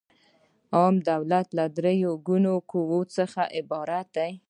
عامه د دولت له درې ګونو قواوو څخه عبارت ده.